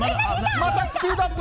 またスピードアップ！